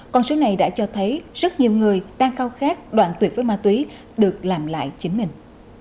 con số này đã cho thấy rất nhiều người đang khao khát đoạn tuyệt với ma túy được làm lại chính mình